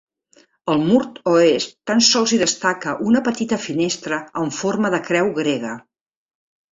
Al mur oest tan sols hi destaca una petita finestra amb forma de creu grega.